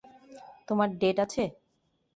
তোমার ডেট আছে?